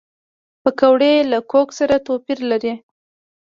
پکورې له کوکو سره توپیر لري